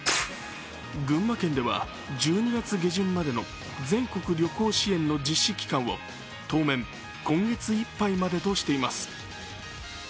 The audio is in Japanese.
群馬県では、１２月下旬までの全国旅行支援の実施期間を当面、今月いっぱいまでとしています。